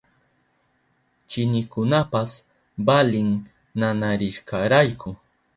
Chinikunapas valin nanarishkarayku.